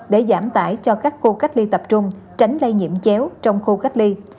để giảm tải cho các khu cách ly tập trung tránh lây nhiễm chéo trong khu cách ly